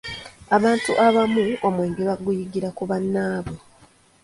Abantu abamu omwenge baguyigira ku bannaabwe.